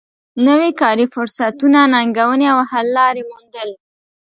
نوی کاري فرصتونه ننګونې او حل لارې موندل